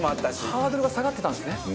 ハードルが下がってたんですね。